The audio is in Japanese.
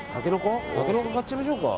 タケノコ買っちゃいましょうか。